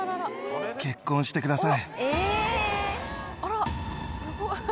結婚してください。